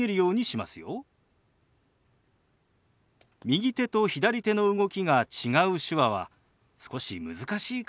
右手と左手の動きが違う手話は少し難しいかもしれませんね。